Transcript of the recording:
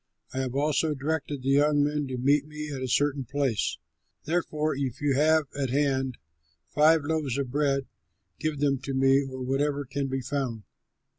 I have also directed the young men to meet me at a certain place. Therefore, if you have at hand five loaves of bread, give them to me or whatever can be found."